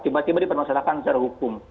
tiba tiba dipermasalahkan secara hukum